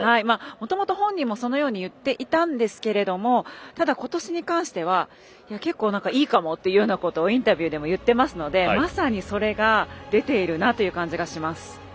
もともと本人もそのように言っていたんですけれどもただ、今年に関しては結構いいかもというようなことをインタビューでも言ってますのでまさに、それが出ているなという感じがします。